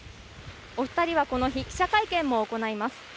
お二人はこの日、記者会見も行います。